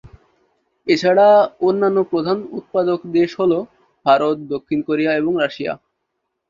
এছাড়া অন্যান্য প্রধান উৎপাদক দেশ হল ভারত, দক্ষিণ কোরিয়া এবং রাশিয়া।